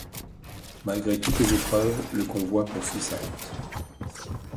Malgré toutes les épreuves, le convoi poursuit sa route.